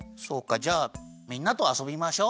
じゃあみんなとあそびましょう。